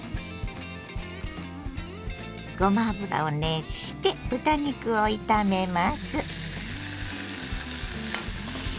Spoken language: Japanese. ごま油を熱して豚肉を炒めます。